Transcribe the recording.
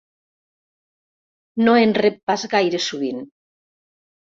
No en rep pas gaire sovint.